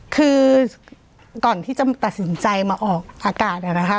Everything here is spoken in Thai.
คือก่อนที่จะตัดสินใจมาออกอากาศนะคะ